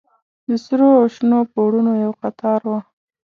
د سرو او شنو پوړونو يو قطار و.